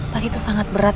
pasti tuh sangat berat